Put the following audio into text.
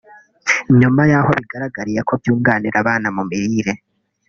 nyuma y’aho bigaragariye ko byunganira abana mu mirire